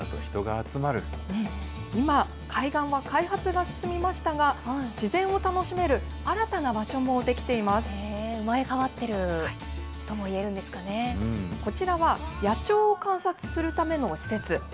今、海岸は開発が進みましたが、自然を楽しめる、生まれ変わってるともいえるこちらは野鳥を観察するための施設。